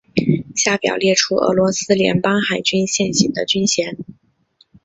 下表列出俄罗斯联邦海军现行的军衔。